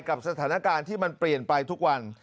กับสถานการณ์ที่มันเปลี่ยนไปทุกวัน